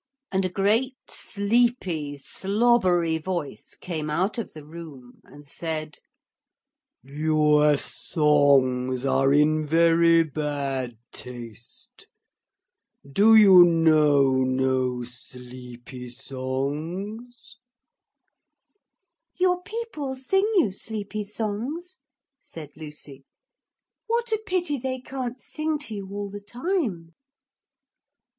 And a great sleepy slobbery voice came out from the room and said: 'Your songs are in very bad taste. Do you know no sleepy songs?' 'Your people sing you sleepy songs,' said Lucy. 'What a pity they can't sing to you all the time.'